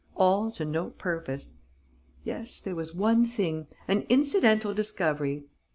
All to no purpose. Yes, there was one thing, an incidental discovery.